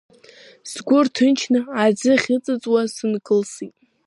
Сгәы рҭынчны аӡы ахьыҵыҵуаз сынкылсит.